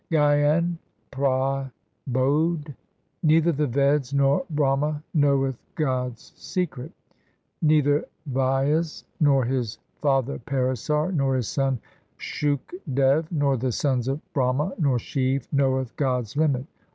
Gyan Prabodh Neither the Veds, nor Brahma knoweth God's secret, Neither Vyas nor his father Parasar, nor his son Shukdev, nor the sons of Brahma, nor Shiv knoweth God's limit.